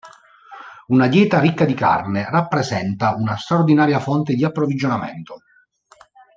Una dieta ricca di carne rappresenta una straordinaria fonte di approvvigionamento.